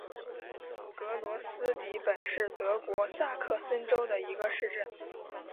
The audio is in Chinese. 格罗斯迪本是德国萨克森州的一个市镇。